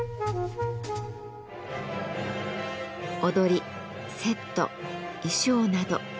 踊りセット衣装など。